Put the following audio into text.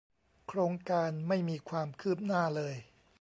โครงการไม่มีความคืบหน้าเลย